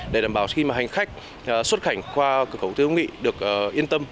để đảm bảo khi mà hành khách xuất khảnh qua cửa khẩu hữu nghị được yên tâm